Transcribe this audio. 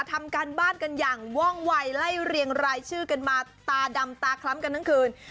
ทำการบ้านกันอย่างว่องวัยไล่เรียงรายชื่อกันมาตาดำตาคล้ำกันทั้งคืน